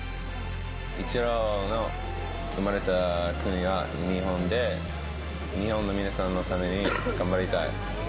イチローの生まれた国は日本で、日本の皆さんのために頑張りたい。